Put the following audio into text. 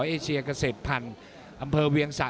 เอเชียเกษตรพันธุ์อำเภอเวียงสะ